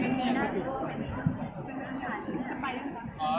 เวลาแรกพี่เห็นแวว